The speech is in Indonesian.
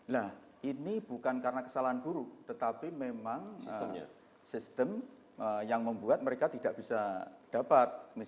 nah ini bukan karena kesalahan guru tetapi memang sistem yang membuat mereka tidak bisa dapat